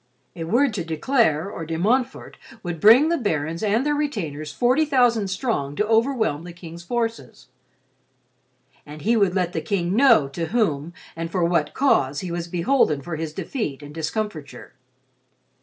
A word to De Clare, or De Montfort would bring the barons and their retainers forty thousand strong to overwhelm the King's forces. And he would let the King know to whom, and for what cause, he was beholden for his defeat and discomfiture.